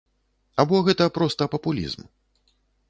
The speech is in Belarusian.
Або гэта проста папулізм?